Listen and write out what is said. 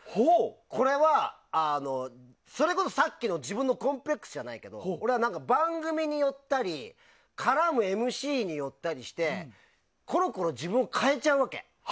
これは、それこそさっきの自分のコンプレックスじゃないけど俺は番組によったり絡むＭＣによったりしてコロコロ自分を変えちゃうわけ。